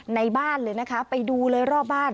ในบ้านเลยนะคะไปดูเลยรอบบ้าน